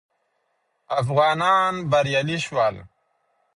افغانان بریالي شول